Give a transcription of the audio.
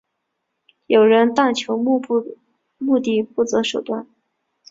有人但求目的不择手段。